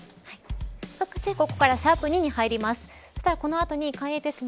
そしてここから♯２に入ります。